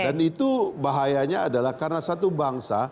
dan itu bahayanya adalah karena satu bangsa